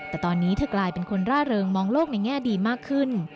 แต่ตอนนี้เธอกลายเป็นคนร่าเริงมองโลกในแง่ดีมากขึ้น